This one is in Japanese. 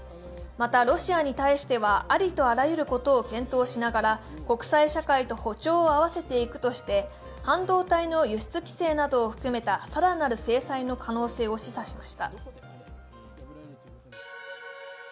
また、ロシアに対してはありとあらゆることを検討しながら国際社会と歩調を合わせていくとして半導体の輸出規制などを含めた更なる制裁の可能性を示唆しました。